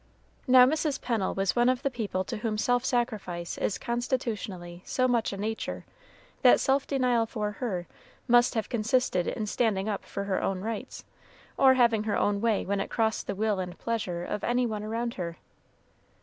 Now, Mrs. Pennel was one of the people to whom self sacrifice is constitutionally so much a nature, that self denial for her must have consisted in standing up for her own rights, or having her own way when it crossed the will and pleasure of any one around her.